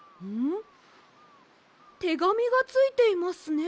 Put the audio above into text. てがみがついていますね。